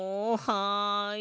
はい！